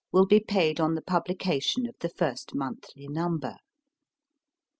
will be paid on the pub lication of the first monthly number.